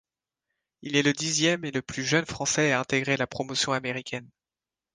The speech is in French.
Il est le dixième et le plus jeune français à intégrer la promotion américaine.